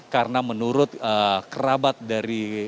karena menurut kerabat dari